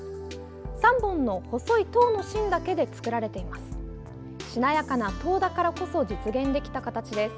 ３本の細い籐の芯だけで作られています。